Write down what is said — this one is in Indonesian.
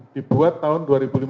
dibuat tahun dua ribu lima belas